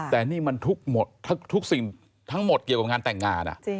แต่นี่มันทุกสิ่งทั้งหมดเกี่ยวกับงานแต่งงาน